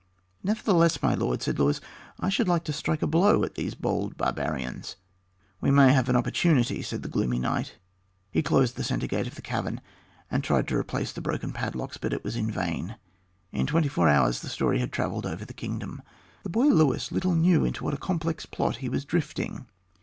"Nevertheless, my lord," said Luis, "I should like to strike a blow at these bold barbarians." "We may have an opportunity," said the gloomy knight. He closed the centre gate of the cavern, and tried to replace the broken padlocks, but it was in vain. In twenty four hours the story had travelled over the kingdom. The boy Luis little knew into what a complex plot he was drifting.